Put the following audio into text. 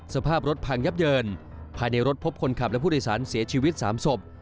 สภาพรถพังยับเยินภายในรถพบคนขับและผู้โดยสารเสียชีวิต๓ศพ